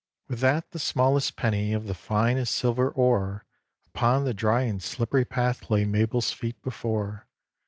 With that the smallest penny, Of the finest silver ore, Upon the dry and slippery path, Lay Mabel's feet before.